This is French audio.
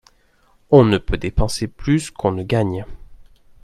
On ne peut dépenser plus qu’on ne gagne.